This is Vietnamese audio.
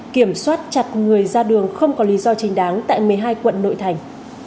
kiểm soát chặt người ra đường không có lý do chính đáng tại một mươi hai quận nội thành